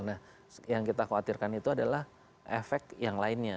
nah yang kita khawatirkan itu adalah efek yang lainnya